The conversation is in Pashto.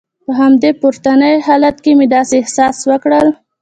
په همدې پروتې په حالت کې مې داسې احساس وکړل.